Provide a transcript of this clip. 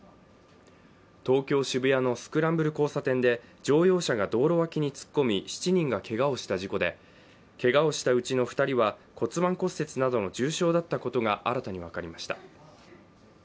東京・渋谷のスクランブル交差点で乗用車が道路脇に突っ込み、７人がけがをした事故でけがをしたうちの２人は骨盤骨折などの重傷だったことが新たに分かりました。